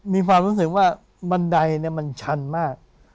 มีความรู้สึกว่าบันไดมันชันมาก